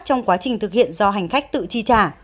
trong quá trình thực hiện do hành khách tự chi trả